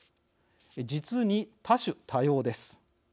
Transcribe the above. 実に多種多様です。